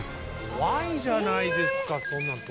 怖いじゃないですかそんなの。